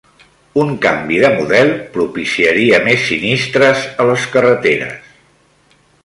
Un canvi de model propiciaria més sinistres a les carreteres